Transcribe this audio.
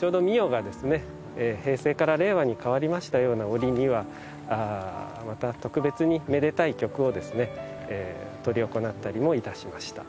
ちょうど御代がですね平成から令和にかわりましたような折にはまた特別にめでたい曲を執り行ったりもいたしました。